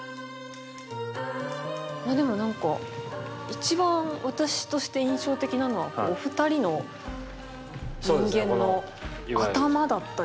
あでもなんか一番私として印象的なのはお二人の人間の頭だったりとか。